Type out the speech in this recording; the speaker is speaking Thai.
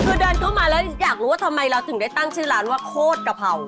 คือเดินทุกท่วมมาแล้วอยากรู้ว่าทำไมเราถึงได้ตั้งชื่อร้านกษกะเพรา